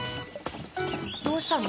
どうしたの？